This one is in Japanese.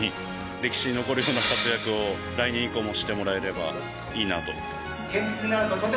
歴史に残るような活躍を来年以降もしてもらえればいいなと思って。